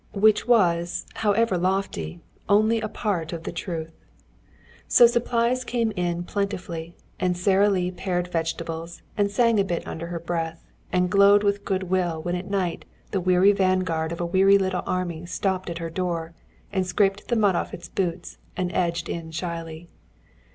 Which was, however lofty, only a part of the truth. So supplies came in plentifully, and Sara Lee pared vegetables and sang a bit under her breath, and glowed with good will when at night the weary vanguard of a weary little army stopped at her door and scraped the mud off its boots and edged in shyly.